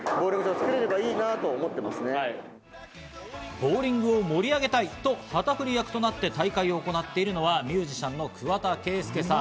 ボウリングを盛り上げたいと旗振り役となって大会を行っているのはミュージシャンの桑田佳祐さん。